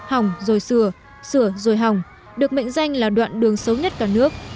hỏng rồi sửa sửa rồi hỏng được mệnh danh là đoạn đường xấu nhất cả nước